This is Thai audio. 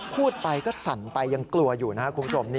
พูดไปก็สั่นไปยังกลัวอยู่นะครับคุณผู้ชม